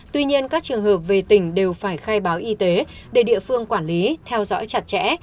tuy nhiên các trường hợp về tỉnh đều phải khai báo y tế để địa phương quản lý theo dõi chặt chẽ